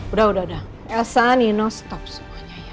udah udah udah elsa nino stop semuanya ya